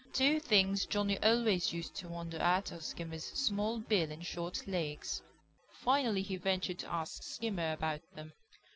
Two things Johnny always used to wonder at, Skimmer's small bill and short legs. Finally he ventured to ask Skimmer about them.